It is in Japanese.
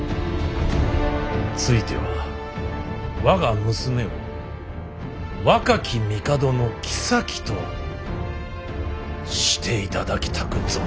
ついては我が娘を若き帝の后としていただきたく存じまする。